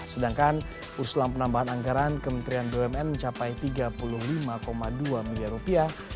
sedangkan usulan penambahan anggaran kementerian bumn mencapai tiga puluh lima dua miliar rupiah